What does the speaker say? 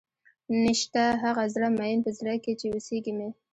نيشته هغه زړۀ ميئن پۀ زړۀ کښې چې اوسېږي مې